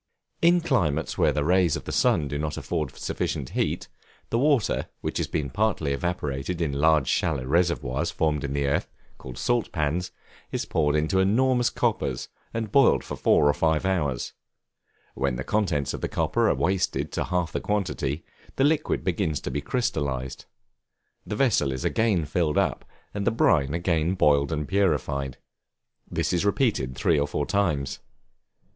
In climates where the rays of the sun do not afford sufficient heat, the water, which has been partly evaporated in large shallow reservoirs formed in the earth, called salt pans, is poured into enormous coppers and boiled for four or five hours: when the contents of the copper are wasted to half the quantity, the liquid begins to be crystallized; the vessel is again filled up, and the brine again boiled and purified: this is repeated three or four times.